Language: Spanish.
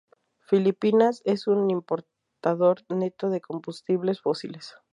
Filipinas es un importador neto de combustibles fósiles.